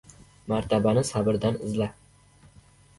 — Martabani sabrdan izla.